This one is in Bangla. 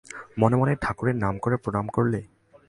মনে মনে ঠাকুরের নাম করে প্রণাম করলে।